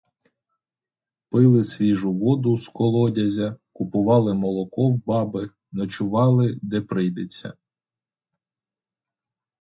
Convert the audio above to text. Пили свіжу воду з колодязя, купували молоко в баби, ночували, де прийдеться.